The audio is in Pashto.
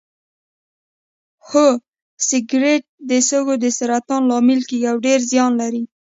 هو سګرټ د سږو د سرطان لامل کیږي او ډیر زیان لري